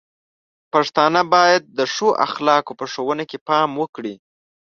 پښتانه بايد د ښو اخلاقو په ښوونه کې پام وکړي.